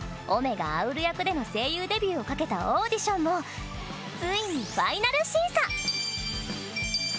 河あうる役での声優デビューをかけたオーディションもついにファイナル審査。